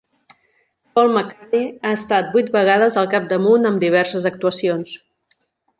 Paul McCartney ha estat vuit vegades al capdamunt amb diverses actuacions.